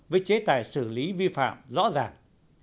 với chế tài xử lý vi phạm rõ ràng